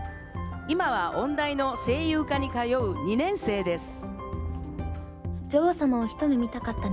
今は音大の声優科に通う２年生です。